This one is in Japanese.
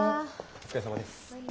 お疲れさまです。